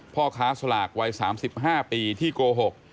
พ่อค้าสลากวัย๓๕ปีที่โกหก